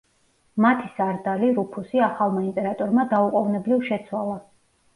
მათი სარდალი, რუფუსი, ახალმა იმპერატორმა დაუყოვნებლივ შეცვალა.